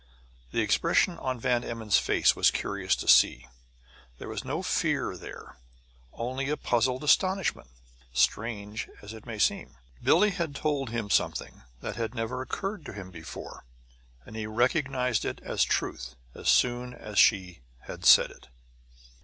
The expression on Van Emmon's face was curious to see. There was no fear there, only a puzzled astonishment. Strange as it may seem, Billie had told him something that had never occurred to him before. And he recognized it as truth, as soon as she had said it.